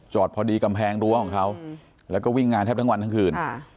พอดีกำแพงรั้วของเขาแล้วก็วิ่งงานแทบทั้งวันทั้งคืน